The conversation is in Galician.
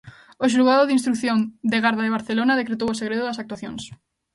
O Xulgado de Instrución de Garda de Barcelona decretou o segredo das actuacións.